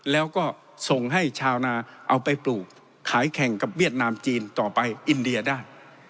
แล้วก็ส่งให้ชาวนาเอาไปปลูกขายแข่งกับเวียดนามจีนต่อไปอินเดียได้